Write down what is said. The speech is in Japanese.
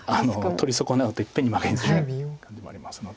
取り損なうといっぺんに負けにする感じもありますので。